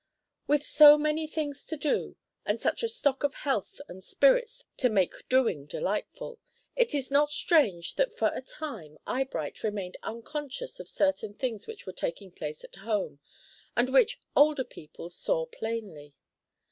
With so many things to do, and such a stock of health and spirits to make doing delightful, it is not strange that for a long time Eyebright remained unconscious of certain changes which were taking place at home, and which older people saw plainly.